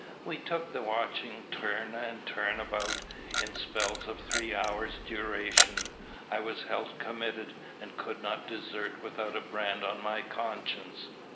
We took the watching turn and turn about, in spells of three hours' duration. I was held committed, and could not desert without a brand on my conscience.